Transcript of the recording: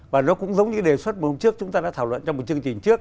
và nó cũng giống như đề xuất hôm trước chúng ta đã thảo luận trong một chương trình trước